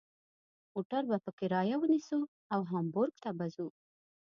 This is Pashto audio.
موټر به په کرایه ونیسو او هامبورګ ته به ځو.